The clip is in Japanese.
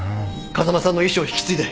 風間さんの意思を引き継いで